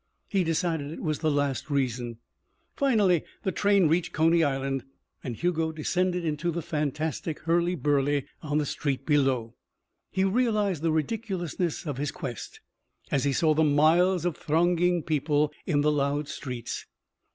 He decided it was the last reason. Finally the train reached Coney Island, and Hugo descended into the fantastic hurly burly on the street below. He realized the ridiculousness of his quest as he saw the miles of thronging people in the loud streets.